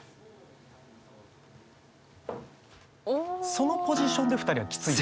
そのポジションで２人はキツいな。